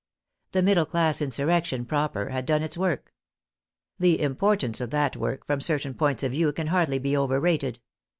The middle class insurrection proper had done its work. The importance of that work from certain points of view can hardly be over rated.